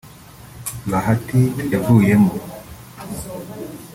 Bahati yabavuyemo